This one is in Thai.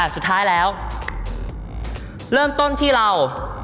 สุดท้ายแล้วเริ่มต้นที่เรา